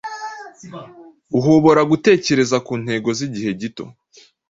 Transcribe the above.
Uhobora gutekereza ku ntego zigihe gito